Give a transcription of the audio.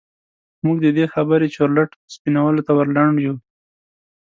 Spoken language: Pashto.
موږ د دې خبرې چورلټ سپينولو ته ور لنډ يوو.